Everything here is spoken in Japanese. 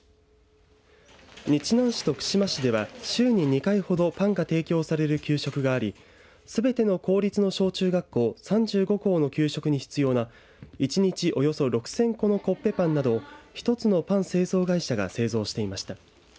日南市と串間市では週に２回ほどパンが提供される給食がありすべての公立の小中学校３５校の給食に必要な１日およそ６０００個のコッペパンなどを１つのパン製造会社が製造していました。